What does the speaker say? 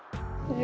dio mau ke rumahnya